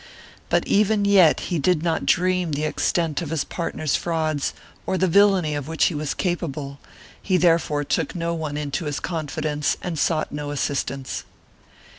But even yet he did not dream the extent of his partner's frauds or the villany of which he was capable; he therefore took no one into his confidence and sought no assistance.